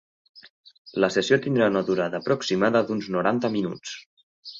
La sessió tindrà una durada aproximada d’uns noranta minuts.